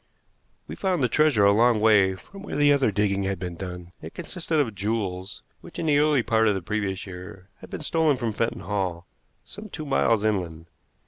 We found the treasure a long way from where the other digging had been done. It consisted of jewels which, in the early part of the previous year, had been stolen from Fenton Hall, some two miles inland.